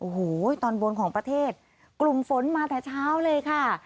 โอ้โหตอนบนของประเทศกลุ่มฝนมาแต่เช้าเลยค่ะ